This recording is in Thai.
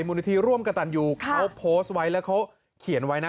มูลนิธิร่วมกับตันยูเขาโพสต์ไว้แล้วเขาเขียนไว้นะ